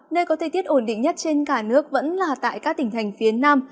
nơi có thời tiết ổn định nhất trên cả nước vẫn là tại các tỉnh thành phía nam